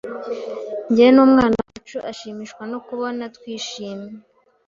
njye n’ umwana wacu ashimishwa no kubona twishimye